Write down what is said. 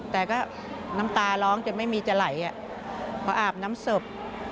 แต่ก็น้ำตาร้องจะไม่มีจะไหลพออาบน้ำศพ